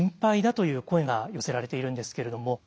という声が寄せられているんですけれども。